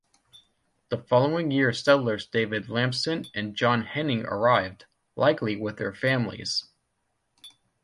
The following year settlers David Lampson and John Henning arrived, likely with their families.